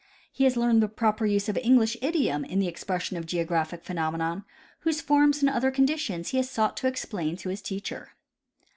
He has learned the proper use of English idiom in the expression of geographic phenomena, whose forms and other conditions he has sought to explain to his teacher.